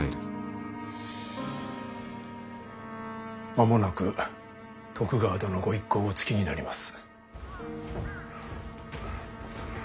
間もなく徳川殿御一行お着きになります。